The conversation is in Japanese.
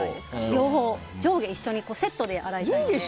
両方、上下一緒にセットで洗いたいので。